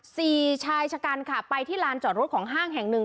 ชายชะกันค่ะไปที่ลานจอดรถของห้างแห่งหนึ่ง